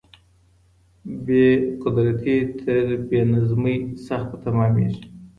بې قدرتي تر بې نظمۍ سخته تماميږي.